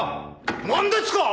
何ですか！